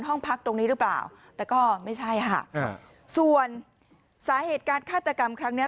ห้องพักตรงนี้หรือเปล่าแต่ก็ไม่ใช่ค่ะส่วนสาเหตุการฆาตกรรมครั้งเนี้ย